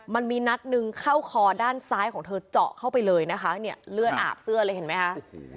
มันมีนัดหนึ่งเข้าคอด้านซ้ายของเธอเจาะเข้าไปเลยนะคะเนี่ยเลือดอาบเสื้อเลยเห็นไหมคะ